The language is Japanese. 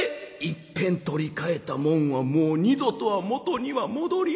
「いっぺん取り替えたもんはもう二度とは元には戻りまへん。